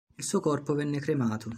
Il suo corpo venne cremato.